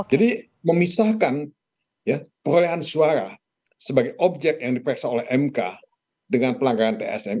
jadi memisahkan perolehan suara sebagai objek yang diperiksa oleh mk dengan pelanggaran tsm